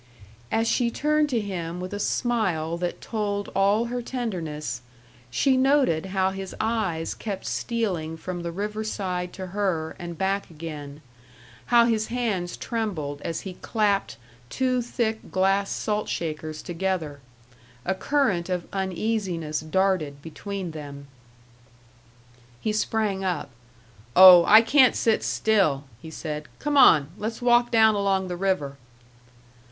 As she turned to him with a smile that told all her tenderness, she noted how his eyes kept stealing from the riverside to her, and back again, how his hands trembled as he clapped two thick glass salt shakers together. A current of uneasiness darted between them. He sprang up. "Oh, I can't sit still!" he said. "Come on. Let's walk down along the river."